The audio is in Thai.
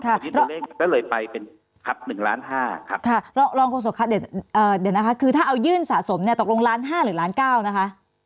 คุณผู้ชมครับคุณผู้ชมครับเดี๋ยวนะคะคือถ้าเอายื่นสะสมเนี่ยตกลงล้านห้าหรือล้านเก้านะคะ